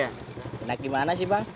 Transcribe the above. enak di mana sih bang